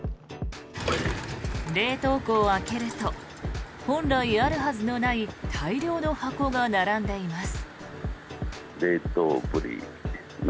冷凍庫を開けると本来あるはずのない大量の箱が並んでいます。